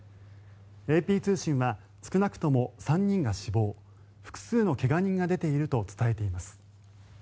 ＡＰ通信は少なくとも３人が死亡複数の怪我人が出ていると伝えています。